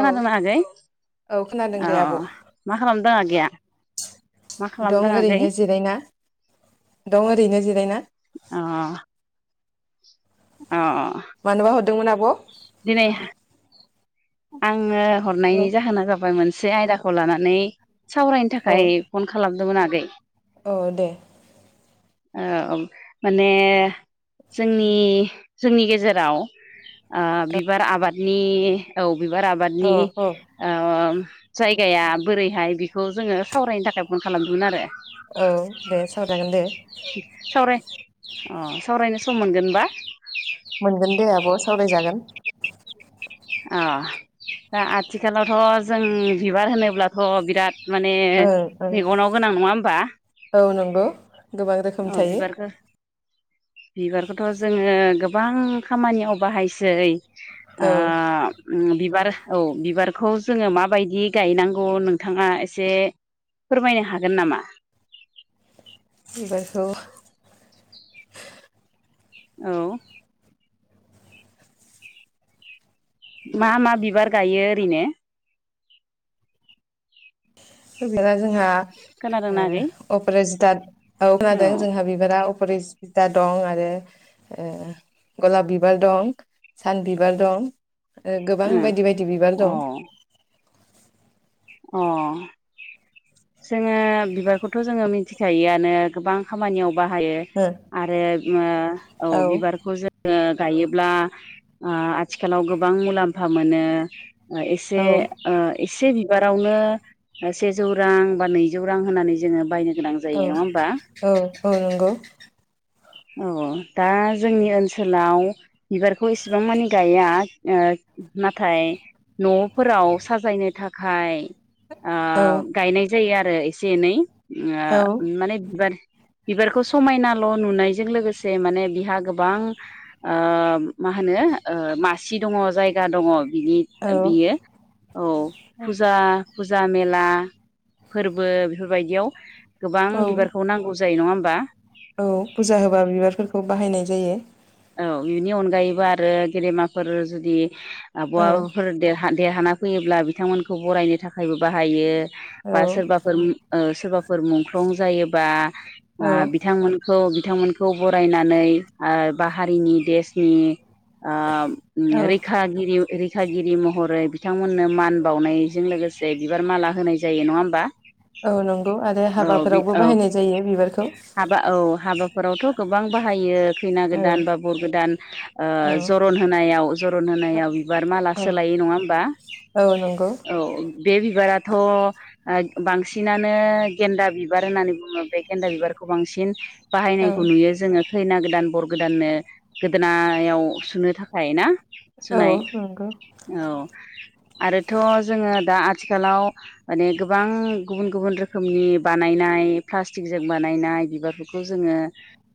औ आगै औ खोनादों अ दे आब' मा खालामदों आगैया मा दं खालामदों आगै ओरैनो जिरायना, दं ओरैनो जिरायना अ अ मानोबा हर दोंमोन आब? दिनै आङो हरनायनि जाहोना जाबाय मोन से आयदाखौ लानानै सावरायनो औ थाखाय फन खालामदोंमोन आ गै। औ दे ओ माने जोंनि जोंनि गेजेराव ओ बिबार आबादनि औ बिबार औ आबादनि औ ओ जायगाया बोरैहाय बेखौ जोङो सावरायनो थाखाय फन खालामदोंमोन आरो। औ दे सावरायजागोन दे सावराय अ, सावरायनो सम मोनगोनबा? मोनगोन दे आब' सावरायजागोन अ। दा आथिखालावथ जों बिबार होनोब्लाथ बिराद माने ओं ओं मेगनाव गोनां नङा होमबा? गौ। गोबां रोखोम औ थायो। बिबारखौ बिबारखौथ जोङो गोबां खामानियाव बाहायसै। आ औ उम बिबार औ बिबारखौ जोङो माबायदि गायनांगौ नोंथाङा एसे फोरमायनो हागोन नामा? बिबारखौ औ। मा मा बिबार गायो ओरैनो? बिफाया जोंहा खोनादोंना आगै ओ अपरजिताथ औ खोनादों। जोंहा बिबारा अफ फरिस फिदा दं, आरो ओ गलाब बिबार दं, सान बिबार दं, ओ गोबां बायदि बायदि बिबार औ दं। अ, जोङो बिबारखौथ' जोङो मिथिखायोआनो गोबां खामानियाव बाहायो। ओ आरो ओ औ बिबारखौ जो ङो गायोब्ला ओ आथिखालाव गोबां मुलाम्फा मोनो ओ एसे औ ओ ए [unintelligible] बिबारावनो सेजौ रां, बा नैजौ रां होनानै जोङो बायनो गोनां औ जायो नङा होमबा औ औ नंगौ। औ दा जोंनि ओनसोलाव बिबारखौ एसेबां मानि गाया ओ नाथाय न'फोराव साजायनो था हाय ओ औ गायनाय जायो आर ओ एसे नै। ओङा औ माने बिबार बिबारखौ समायनाल' नुनायजों लोगोसे माने बिहा गोबां ओ मा होनो ओ मासि दङ जायगा दङ। बिनि औ ओ बियो औ। फुजा फुजा मेला फोर्बो बेफोरबायदियाव गोबां औ बिबारखौ नांगौ जायो नङा होम बा औ फुजा होबा बिबारफोरखौ बाहायनाय जायो। औ बेनि अनगायैबो आरो गेलेमाफोर जुदि आब'आबो ओं फोरोंदे हा देरहाना फैयोब्ला बिथांमोनखौ बरायनो थाखायबो बाहायो। औ बा सोरबाफोर उम ओ सोरबाफोर मुंख्लं जायोबा औ आ बिथांमोनखौ बि बिथांमोनखौ बरायनानै ओ बा हारिनि देसनि आम उम औ रैखाागिरि रै थागिरि महरै बिथांमोननो मान बावनायजों लोगोसे बिबार माला होनाय जायो नङा होमबा? औ नंगौ आरो औ बि हाबाफोरावबो औ बाहायनाय जायो बिबारखौ हाबा औ हाबाफोरावथ' गोबां बाहायो खैना गो औ दानबा बरगोदान औ ओ जरन होनायाव जरन होनायाव बिबार माला औ सोलायो नङा होमबा? औ नंगौ औ, बे बिबाराथ' ओ बांसिनानो गेन्दा बिबार होननानै बुङो बे गेन्दा बिबारखौ बांसिन औ बाहायनायखौ नुयो जोङो। खैना गोदान बर गोदाननो गोदोनायाव सोनो थाखाय ना? औ सोनाय, नंगौ औ आरोथ' जोङो दा आ थिखालाव माने गोबां गुबुन गुबुन रोखोमनि बानायनाय प्लास्टिकजों बानायनाय बिबारफोरखौ जोङो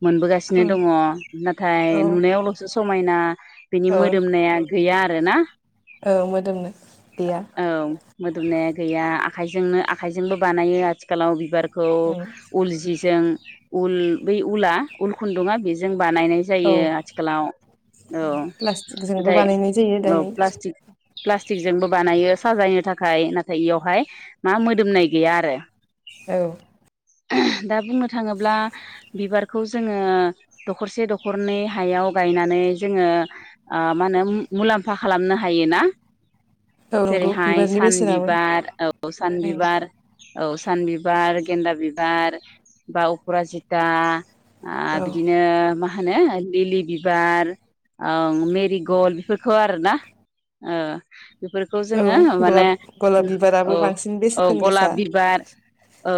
मोनबोगासिनो उम दङ। नाथाय औ नुनायावल'सो समायना बिनि औ मोदोमनाया गै [unintelligible] आरो ना औ मोदोमनो गैया औ मोदोमनाया गैआ। खाइजोंनो आखाइजोंबो बानायो आथिखालाव बिबार खौ उम उल जिजों उल बै उला उल खुन्दुङा बिजों बानायनाय औ जायो आथिखालाव औ प्लास्टिकजोंबो नाथाय बानायनाय जायो औ दानि प्लास्टिक प्लास्टिकजोंबो बानायो साजायनो थाखाय नाथाय इयावहाय मा मोदोमनाय गैया आरो। औ दा बुंनो थाङोब्ला बिबारखौ जोङो दखरसे दखरनै हायाव गायनानै जोङो ओ मा होनो मुलाम्फा खालामनो हायोना। औ नंगौ जेरैहाय बिबारनि सान बेसेनाबो बिबार औ सान उम बिबार। औ सान बिबार गेन्दा बिबार बा अफ्राजिता आ औ बि ओ मा होनो लिलि बिबार ओम मेरिगल्ड बेफोरखौ आरोना ओ बेफोरखौ औ जोङो माने गलाब गलाब बिबाराबो अ बांसिन औ बेसेन गोसा गलाब बिबार औ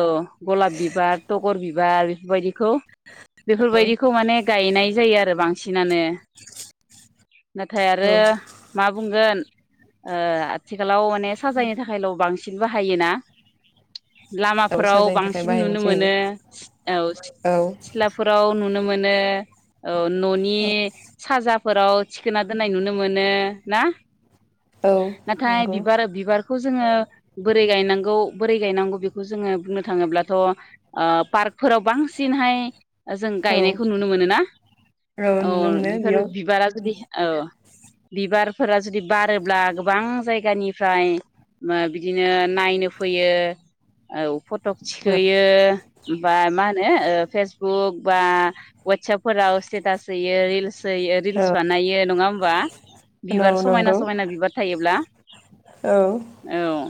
गलाब बिबार तगर बिब बार बेफोरबायदिखौ [inaudible] बेफोरबायदिखौ माने गायनाय जायो आरो बां सिनानो नाथाय औ आरो मा बुंगोन ओ आथिखालाव ने साजायनो थाखायल' बांस फिन बाहायोना? औ लामाफोराव साजायनो थाखाय बांसिन बाहायनाय नुनो जायो मोनो औ औ सिख्ला औ नुनो मोनो औ न'नि साजाफोराव थिखोना दोननाय नुनो मोनो ना? औ नाथाय नंगौ बिबार बिबार खौ जोङो बोरै गायनांगौ बोरै गायनांगौ बेखौ जोङो बुंनो थाङोब्लाथ' ओ पार्कफोराव बांसिनहाय जों औ गायनायखौ नुनो मोनोना औ नुनो मोनो बिफोर बेयाव बिबारा जुदि औ बिबारफोरा जुदि बारोब्ला गोबां जायगानिफ्राय ओ बिदिनो नायनो फैयो औ फथ टक औ थिखोयो बा मा होनो ओ फेस बा वाटसाबफोराव स्थेतास होयो रिल्स होयो रिल्स बानायो नङा होमबा औ बिबार समायना नंगौ समायना बिबार थायोब्ला औ औ।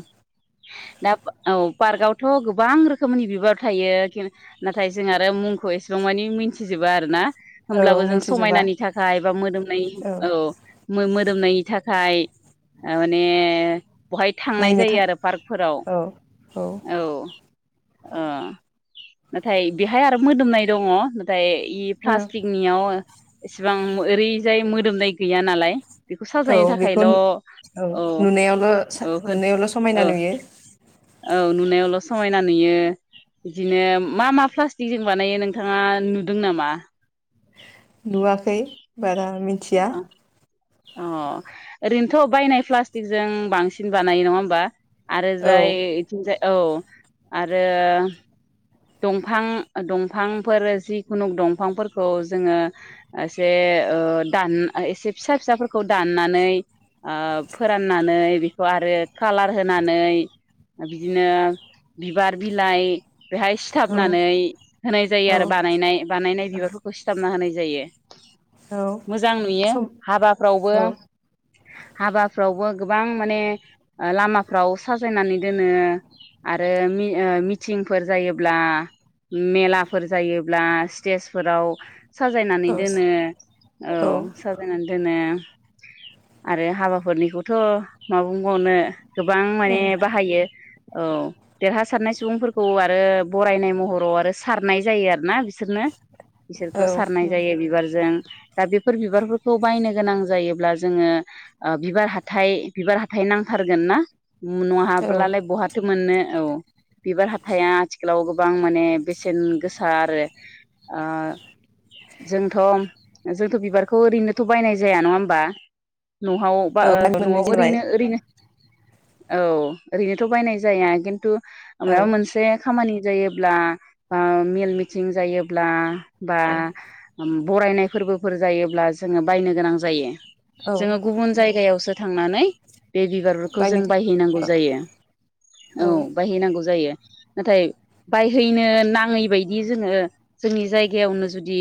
दा औ पार्कआवथ' गोबां रोखोमनि बिबार थायो खि नाथाय जों आरो मुं खौ एसेबां मानि मिथिजोबा आरो ना औ होमब्लाबो जों मिथिजोबा समायनानि थाखाय बा मोदोमनाय औ मो मोद मोदोमनायनि थाखाय माने बहाय थांनाय नायनो जायो थां आरो पार्कफोराव औ औ अ नाथाय बेहाय आरो मोदोमनाय दङ नाथाय इ प्लास्टिकनियाव एसेबां ओरैजाय मोदोमनाय गैया नालाय बेखौ औ साजायनो बेखौ थाखायल' नु औ औ नुनायावल' सा औ नुनायावल' औ समायना नुयो। औ नुनायावल' समायना नुयो बिदिनो मा मा प्लास टिजों बानायो नोंथाङा नुदों नामा नुवाखै बारा मिथिया अ ओरैनोथ' बायनाय प्लास्टिकजों बांसिन बानायो नङा होमबा औ आरोजाय इथिंजाय औ आरो दंफां दंफांफोर जिखुनु दंफांफोरखौ जोङो एसे ओ दान एसे फिसा फिसाफोरखौ दाननानै ओ फोराननानै बेखौ आरो कालार होनानै बिदिनो बिबार बिलाइ बेहाय औ सिथाबनानै होनाय जायो औ आरो बानायनाय बानायनाय बिबारफोरखौ सिथाबना होनाय जायो औ मोजां नुयो सम औ हाबाफ्रावबो हाबाफ्रावबो गोबां माने ओ लामाफ्राव साजायनानै दोनो आरो मि ओ मिथिं फोर जायोब्ला मेलाफोर जायोब्ला स्टेजफोराव साजायनानै दोनो औ साजायनानै दोनो आरो हाबाफोरनिखौथ' मा बुंबावनो गोबां माने बाहायो औ देरहासारनाय सुबुंफोर खौ आरो बरायनाय महराव आरो सारनाय जायो आरो ना बिसो सोरनो औ बिसोरखौ सारनाय जायो बिबारजों दा बेफोर बिबारफोरखौ बायनो गोनां जायोब्ला जोङो ओ बिबार हाथाइ बिबार हाथाइ नांथारगोन ना? औ न'हाब्लालाय बहाथो मोननो औ हाया आथिखालाव गोबां माने बेसेन गोसा आरो ओ जोंथ' जोंथ' बिबारखौ ओरैनोथ' बायनाय जाया नङा होमबा न'हाव बा औ ओ मोननाय न'आव जाबाय ओरैनो ओरैनो औ ओरैनोथ' बायनाय जाया किन्तु औ माबा मोनसे खामानि जायोब्ला बा मेल मिटिं जायोब्ला बा औ ओम बरायनाय फोरबोफोर जायोब्ला जोङो बायनो गोनां जायो। औ जोङो गुबुन जायगायावसो थां खांनानै बे बिबारफोरखौ जों बायनो बायहैनांगौ जायो औ औ बायहैनांगौ जायो। नाथाय बायहैनो नाङै बायदि जोङो जोंनि जायगायावनो जुदि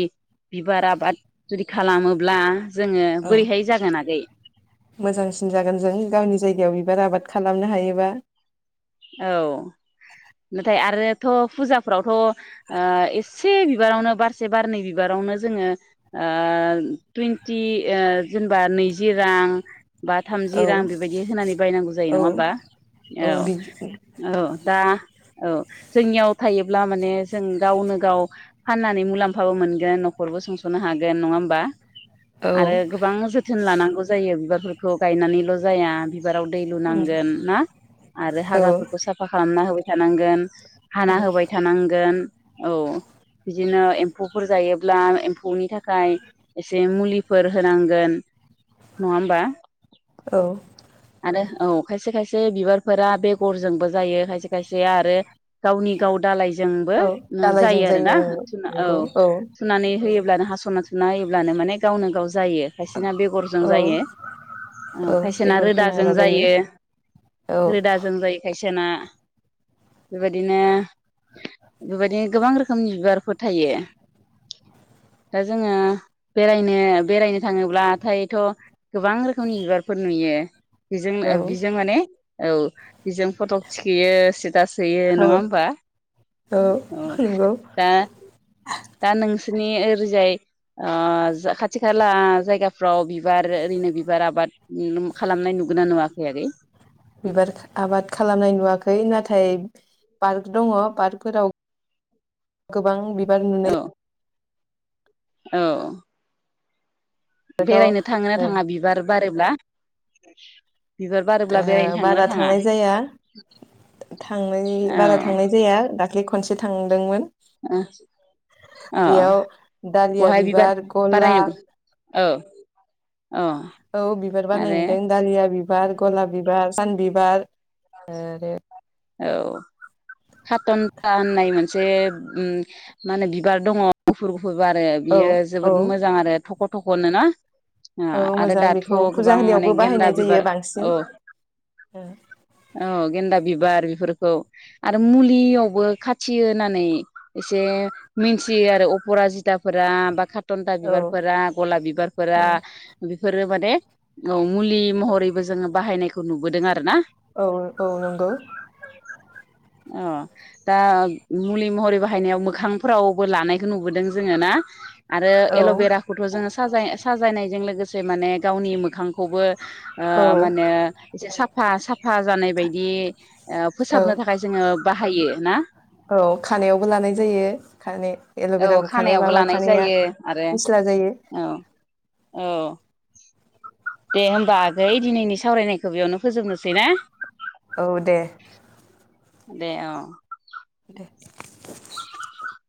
बिबार आबाद, जुदि खालामोब्ला जोङो औ बोरैहाय जागोन आगै? मोजांसिन जागोन जों गावनि जायगायाव बिबार आबाद खालामनो हायोबा, औ नाथाय आद आरोथ' फुजाफ्रावथ' ओ एसे बिबारावनो बारसे बारनै बिबारावनो जोङो ओ टुइन्टि जेनेबा नैजि रां, बा थामजि औ रां बेबायदि होनानै बायनांगौ जायो औ नङा होमबा औ औ दा औ जोंनियाव थायोब्ला माने जों गावनो गाव फाननानै मुलाम्फाबो मोनगोन न'खरबो सुंस'नो हागोन नङा होमबा, औ आरो गोबां जोथोन लानांगौ जायो बिबाब बिफोरखौ गायनानैल' जाया बिबाराव दै लुनांगोन ना आरो औ हाग्रा साफा खालामना होबाय थानांगोन, हाना होबाय थानांगोन औ बिदिनो एम्फौफोर जायोब्ला एम्फौनि थाखाय एसे मुलिफोर होनांगोन नङा होमबा, औ आरो औ खायसे खायसे बिबारफोरा बेगरजोंबो जायो खायसे खायसे आरो गावनि गाव दाालाय जोंबो औ जायो दालायजों आरोना ओं औ नंगौ थुनानै होयोब्लानो हास'ना नायोब्लानो माने गावनो गाव जायो खायसेना बेगरजों औ जायो ओ औ खायसेना बेगर रोदा फोना होबा जायो औ रोदाजों जायो खायसे सेना बेबायदिनो बेबायदिनो गोबां रोखोमनि बिबारफोर थायो दा जोङो बेरायनो बेरायनो थाङोब्लाथायथ' गोबां रोखोमनि बिबारफोर नुयो औ बेजोंनो बेजों माने औ बेजों फट' थिखैयो स्टेटास होयो औ नङा होमबा औ नंगौ दा दा नों [unintelligible] रिजाय ओ खाथि खाला जायगाफ्राव बिबार ओरैनो बिबार आबाद खालामनाय नुब नुगोना नुवाखै आगै? बिबार आबाद खालामनाय नुवाखै नाथाय पार्क दङ पार्कफोराव गोबां बि बिबार औ नुनाय औ बिबारखौ बेरायनो थाङो ना थाङा बिबार, बारोबा ओ बारा थांनाय जाया थांनाय बारा थांनाय जाया दा दाखलि खनसे थांदोंमोन। औ बेयाव दालिया बिबार गला ओ औ बिबार बारनाय नुदों दालिया बि बिबार गलाब बिबार सान बिबार आरो औ जे उम मा होनो बिबार दङ गुफुर फुर आरो औ बियो औ जोबोद मोजां आरो थ फट' हरनो ना? ओ औ आरो मोजां दाथ' बेखौ फुजा गोबां होनायावबो माने गेन्दा बाहायनाय जायो बिबार बांसिन औ औ गेन्दा बिब बेफोरखौ आरो मुलियावबो खाथियो होननानै एसे मिथियो आरो अपराजिताफोरा बा खा टन्था औ बिबारफोरा गलाब बिबारफोरा बेफोरो माने औ मुलि महरैबो जोङो बाहायनायखौ नुबोदों आरो ना। औ औ नंगौ। अ दा मुलि महरै बाहायनायाव मोखांफोरावबो लानायखौ नुबोदों जोङो ना। आरो औ एल'बेराखौथ' जोङो साजाय-साजायनायजों लोगोसे से माने गावनि मोखांखौबो ओ औ माने जिसां फा-साफा जानाय बायदि ओ औ‌ फोसाबनो थाखाय जोङो बाहायो ना औ खानायावबो लानाय जायो खानाय औ एल'बेराखौ खानायाव खानायावबो लाबा लानाय खानाया जायो आरो फिस्ला जायो। औ औ दे होमबा आगै दिनैनि सावरायनायखौ बेयावनो फोजोबनोसै ना? औ दे। दे औ। [unintelligible] [unintelligible]